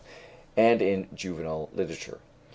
and in "juvenile literature."